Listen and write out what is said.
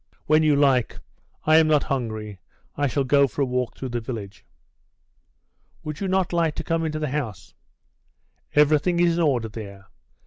"When you like; I am not hungry. I shall go for a walk through the village." "Would you not like to come into the house? Everything is in order there.